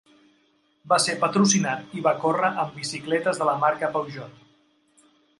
Va ser patrocinat i va córrer amb bicicletes de la marca Peugeot.